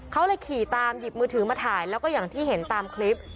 เขาเลยขี่ตามหยิบมือถือมาถ่ายแล้วก็อย่างที่เห็นตามคลิป